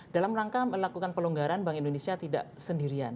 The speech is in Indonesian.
dalam rangka melakukan pelonggaran bank indonesia tidak sendirian